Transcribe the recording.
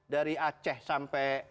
dari aceh sampai